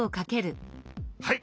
はい！